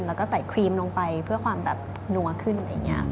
แล้วก็ใส่ครีมลงไปเพื่อความแบบนัวขึ้นอะไรอย่างนี้